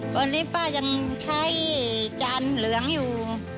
ตอนนี้ป้ายังใช้จานเหลืองอยู่